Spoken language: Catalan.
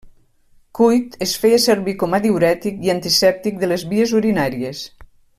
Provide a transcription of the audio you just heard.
Cuit es feia servir com a diürètic i antisèptic de les vies urinàries.